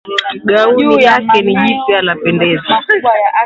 Gauni lake ni jipya lapendeza.